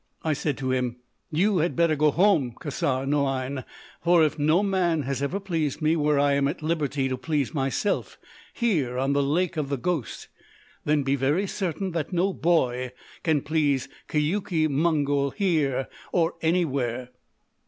"I said to him: 'You had better go home, Khassar Noïane, for if no man has ever pleased me where I am at liberty to please myself, here on the Lake of the Ghost, then be very certain that no boy can please Keuke Mongol here or anywhere!